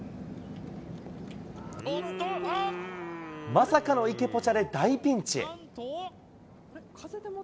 まさかの池ポチャで大ピンチ。